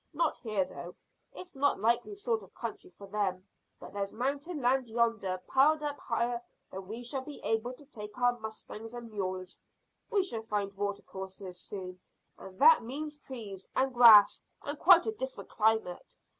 Not here, though; it's not likely sort of country for them, but there's mountain land yonder piled up higher than we shall be able to take our mustangs and mules. We shall find watercourses soon, and that means trees and grass and quite a different climate.